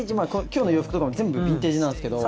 今日の洋服とかも全部ヴィンテージなんすけど。